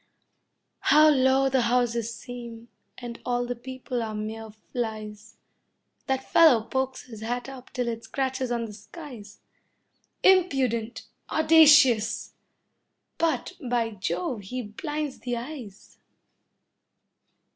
How low the houses seem, and all the people are mere flies. That fellow pokes his hat up till it scratches on the skies. Impudent! Audacious! But, by Jove, he blinds the eyes!